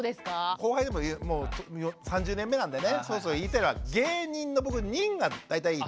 後輩にも言う３０年目なんでねそろそろ言いたいのは芸人の「人」が大体いい。